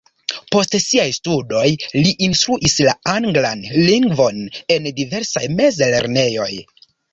Post siaj studoj li instruis la anglan lingvon en diversaj mezlernejoj.